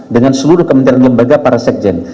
dengan seluruh kementerian lembaga para sekjen